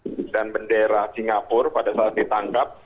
jadi kapal ini berbendera singapura pada saat ditangkap